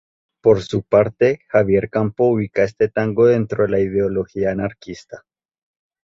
Por su parte Javier Campo ubica este tango dentro de la ideología anarquista.